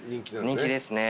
人気ですね。